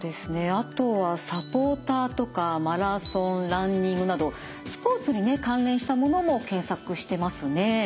あとは「サポーター」とか「マラソン」「ランニング」などスポーツにね関連したものも検索してますね。